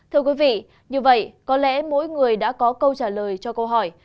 thưa quý vị như vậy có lẽ mỗi người đã có câu trả lời cho câu hỏi